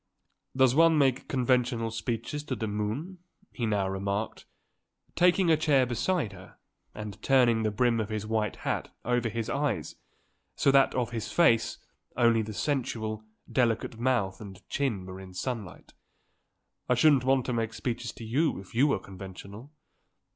"Does one make conventional speeches to the moon?" he now remarked, taking a chair beside her and turning the brim of his white hat over his eyes so that of his face only the sensual, delicate mouth and chin were in sunlight. "I shouldn't want to make speeches to you if you were conventional.